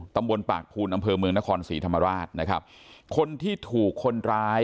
ตำบลปากภูนอำเภอเมืองนครศรีธรรมราชนะครับคนที่ถูกคนร้าย